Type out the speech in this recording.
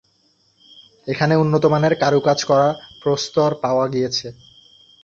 এখানে উন্নত মানের কারুকাজ করা প্রস্তর পাওয়া গিয়েছে।